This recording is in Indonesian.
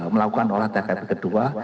melakukan olahraga kedua